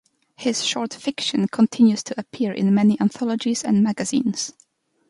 His short fiction continues to appear in many anthologies and magazines.